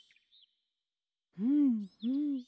ふんふん。